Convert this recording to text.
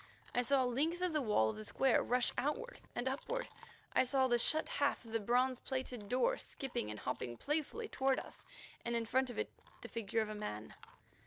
I saw a length of the wall of the square rush outward and upward. I saw the shut half of the bronze plated door skipping and hopping playfully toward us, and in front of it the figure of a man.